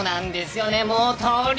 もう「とり」